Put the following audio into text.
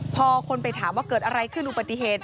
พอคนไปถามว่าเกิดอะไรขึ้นอุบัติเหตุ